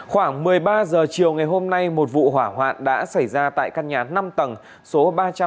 khoảng một mươi ba h chiều ngày hôm nay một vụ hỏa hoạn đã xảy ra tại căn nhà năm tầng số ba trăm năm mươi tám